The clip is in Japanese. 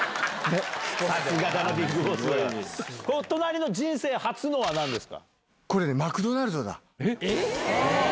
隣の「人生初の」は何ですか？